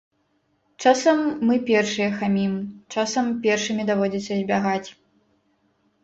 Часам мы першыя хамім, часам першымі даводзіцца збягаць.